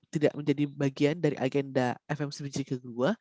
tidak menjadi bagian dari agenda fmc ke dua